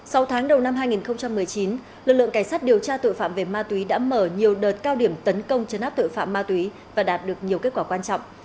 sau tháng đầu năm hai nghìn một mươi chín lực lượng cảnh sát điều tra tội phạm về ma túy đã mở nhiều đợt cao điểm tấn công chấn áp tội phạm ma túy và đạt được nhiều kết quả quan trọng